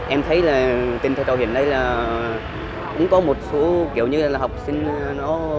em thấy là tình thật ở hiện nay là cũng có một số kiểu như là học sinh nó